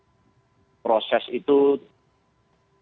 dan proses itu tidak hanya untuk pemerintah